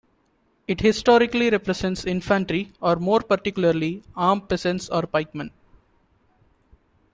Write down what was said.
It historically represents infantry, or more particularly, armed peasants or pikemen.